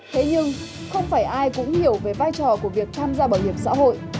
thế nhưng không phải ai cũng hiểu về vai trò của việc tham gia bảo hiểm xã hội